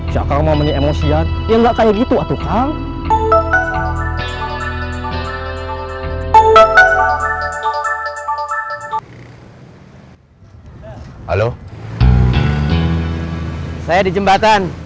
ya kang momennya emosian